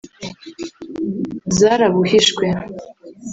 zarabuhishwe